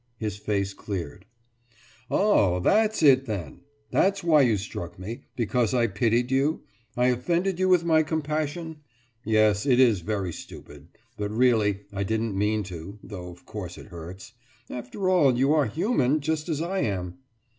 His face cleared. »Oh, that's it then! That's why you struck me because I pitied you? I offended you with my compassion? Yes, it is very stupid ... but really, I didn't mean to though of course it hurts. After all, you are human, just as I am....